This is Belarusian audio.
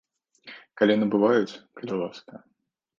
Калі набываюць, калі ласка.